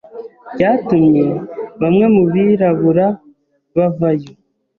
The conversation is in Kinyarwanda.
byatumye bamwe mu birabura bavayo